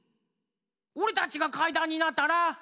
⁉おれたちがかいだんになったら。